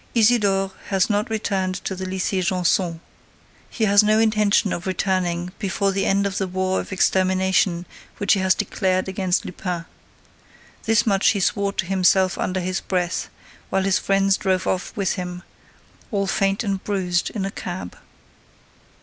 Isidore has not returned to the Lycée Janson. He has no intention of returning before the end of the war of extermination which he has declared against Lupin. This much he swore to himself under his breath, while his friends drove off with him, all faint and bruised, in a cab.